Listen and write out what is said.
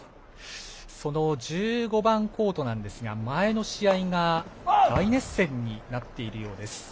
その１５番コートなんですが前の試合が大熱戦になっているようです。